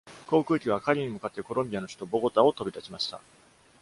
航空機は、カリに向かってコロンビアの首都ボゴタを飛び立ちました。